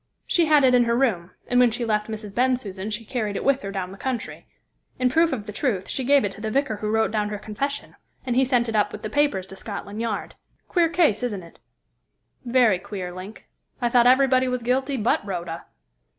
"She had it in her room, and when she left Mrs. Bensusan she carried it with her down the country. In proof of the truth, she gave it to the vicar who wrote down her confession, and he sent it up with the papers to Scotland Yard. Queer case, isn't it?" "Very queer, Link. I thought everybody was guilty but Rhoda."